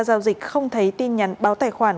giao dịch không thấy tin nhắn báo tài khoản